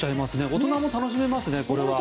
大人も楽しめますね。